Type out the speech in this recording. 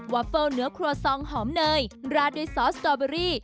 เฟิลเนื้อครัวซองหอมเนยราดด้วยซอสสตอเบอรี่